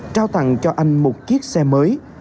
trao tặng cho anh một chiếc xe mới